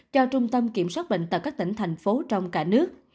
cho trung tâm kiểm soát bệnh tật các tỉnh thành phố trong cả nước